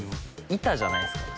板じゃないですか？